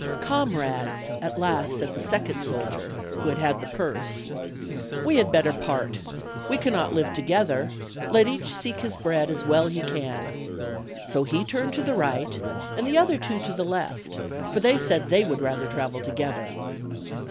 ''Comrades," at last said the second soldier, who had had the purse, "we had better part; we cannot live together; let each seek his bread as well as he can." So he turned to the right, and the other two to the left; for they said they would rather travel together.